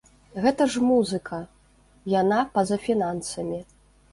Гэта ж музыка, яна па-за фінансамі.